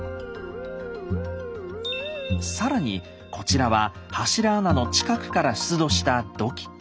更にこちらは柱穴の近くから出土した土器。